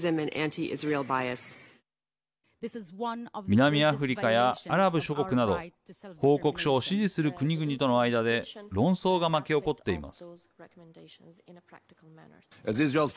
南アフリカやアラブ諸国など報告書を支持する国々との間で論争が巻き起こっています。